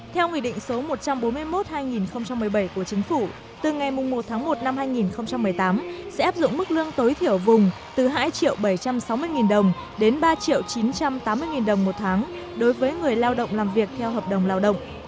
theo nghị định số một trăm bốn mươi một hai nghìn một mươi bảy của chính phủ từ ngày một tháng một năm hai nghìn một mươi tám sẽ áp dụng mức lương tối thiểu vùng từ hai bảy trăm sáu mươi đồng đến ba chín trăm tám mươi đồng một tháng đối với người lao động làm việc theo hợp đồng lao động